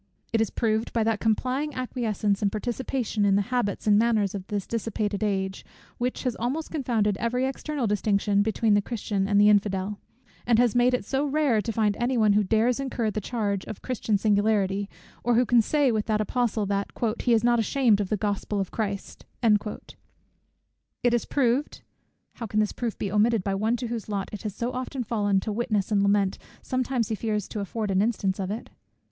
It is proved, by that complying acquiescence and participation in the habits and manners of this dissipated age, which, has almost confounded every external distinction between the Christian and the Infidel, and has made it so rare to find any one who dares incur the charge of Christian singularity, or who can say with the Apostle that "he is not ashamed of the Gospel of Christ." It is proved (how can this proof be omitted by one to whose lot it has so often fallen to witness and lament, sometimes he fears to afford an instance of it?)